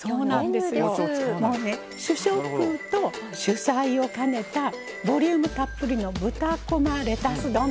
もうね主食と主菜を兼ねたボリュームたっぷりの豚こまレタス丼です。